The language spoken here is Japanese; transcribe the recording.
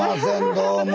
どうも。